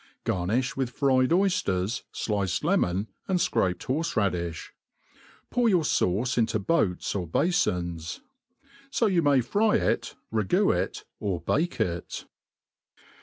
Garniih with fried oyfters, fiiced lemon, and fcraped horfe raddiihs |>our your fauce into boats or bafons. So you may fry it, ra.. goo it, or bake it.